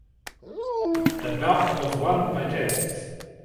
The bout was won by Taz.